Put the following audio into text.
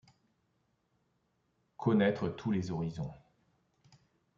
Connaître tous les horizons